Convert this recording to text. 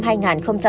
khi cùng ăn cơm ca